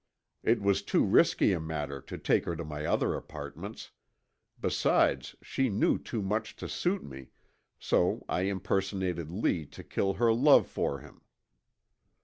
It was too risky a matter to take her to my other apartments, besides she knew too much to suit me, so I impersonated Lee to kill her love for him.